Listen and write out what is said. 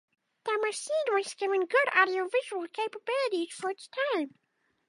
The machine was given good audiovisual capabilities for its time.